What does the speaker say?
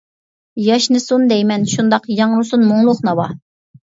ياشنىسۇن دەيمەن شۇنداق، ياڭرىسۇن مۇڭلۇق ناۋا!